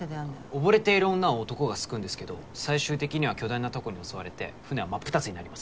溺れている女を男が救うんですけど最終的には巨大なタコに襲われて船は真っ二つになります。